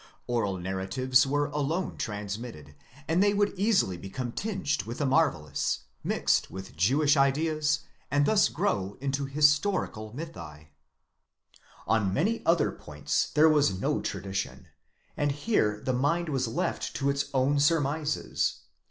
Oral narratives were alone transinitted, and they would easily become tinged with the marvellous, mixed. with Jewish ideas, and thus grow into historical mythi. On many other points there was no tradition, and here the mind was left to its own surmises.